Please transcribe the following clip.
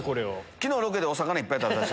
昨日ロケでお魚いっぱい食べた。